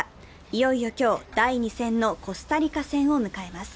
いよいよ今日、第２戦のコスタリカ戦を迎えます。